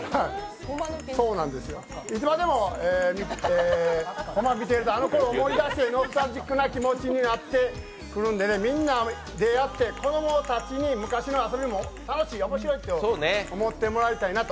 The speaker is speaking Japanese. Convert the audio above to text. いつまでもコマで遊んでいたあのころを思い出してノスタルジックな気持ちになってくるので、みんなでやって、子供たちに昔の遊びも楽しい、面白いと思ってもらいたいなと。